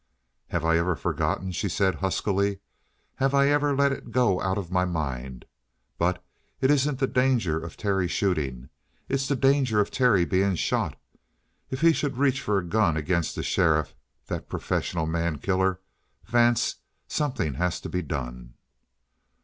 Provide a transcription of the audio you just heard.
"Have I ever forgotten?" she said huskily. "Have I ever let it go out of my mind? But it isn't the danger of Terry shooting. It's the danger of Terry being shot. If he should reach for a gun against the sheriff that professional mankiller Vance, something has to be done!"